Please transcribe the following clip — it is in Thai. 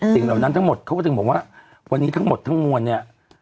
จริงเหล่านั้นทั้งหมดเค้าก็ถึงบอกว่าวันนี้ทั้งหมดเนี่ย